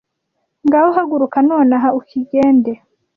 Ngaho haguruka nonaha ukigende